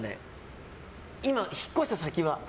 引っ越した先は。